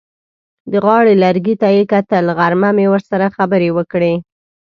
د غاړې لرګي ته یې کتل: غرمه مې ورسره خبرې وکړې.